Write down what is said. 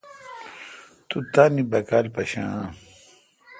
تو تان بیکال پیشہ۔